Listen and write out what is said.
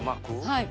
はい。